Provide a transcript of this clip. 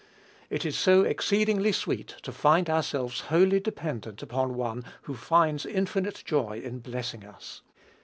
It is so exceedingly sweet to find ourselves wholly dependent upon one who finds infinite joy in blessing us.